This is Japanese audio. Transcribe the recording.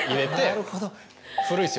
なるほど。